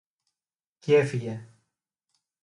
Κι έφυγε